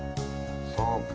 そうか。